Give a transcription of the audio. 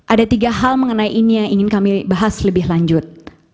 ada tiga hal mengenai ini yang ingin kami bahas lebih lanjut